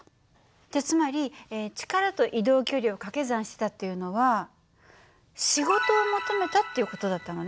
じゃつまり力と移動距離を掛け算したっていうのは仕事を求めたっていう事だったのね。